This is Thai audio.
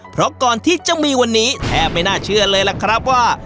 เพราะก่อนที่จะมีวันนี้แทบไม่น่าเชื่อเลยล่ะครับว่า